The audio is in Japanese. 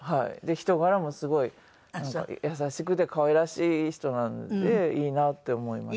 人柄もすごい優しくて可愛らしい人なんでいいなって思いました。